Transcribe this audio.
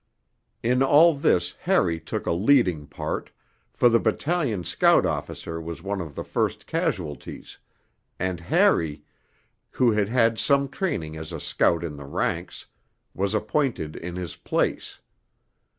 In all this Harry took a leading part, for the battalion scout officer was one of the first casualties, and Harry, who had had some training as a scout in the ranks, was appointed in his place.